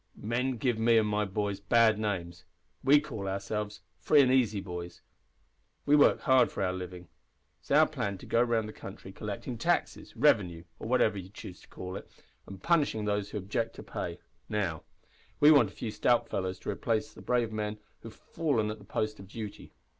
Men give me and my boys bad names. We call ourselves Free and easy Boys. We work hard for our living. It is our plan to go round the country collecting taxes revenue or whatever you choose to call it, and punishing those who object to pay. Now, we want a few stout fellows to replace the brave men who have fallen at the post of duty.